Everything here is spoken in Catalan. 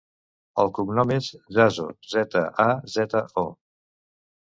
El cognom és Zazo: zeta, a, zeta, o.